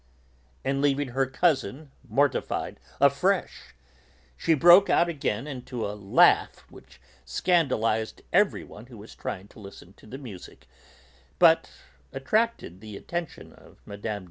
And leaving her cousin mortified afresh, she broke out again into a laugh which scandalised everyone who was trying to listen to the music, but attracted the attention of Mme.